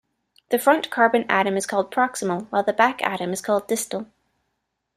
The front carbon atom is called proximal, while the back atom is called distal.